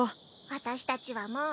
私たちはもう。